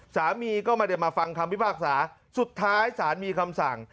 สามีก็ไม่ได้มาฟังคำพิพากษาสุดท้ายศาลมีคำสั่ง